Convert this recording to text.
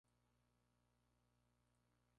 Jack Linden y Hank Evans son amigos inseparables.